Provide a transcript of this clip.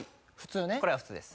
これが普通です